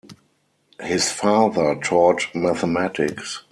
His father taught mathematics.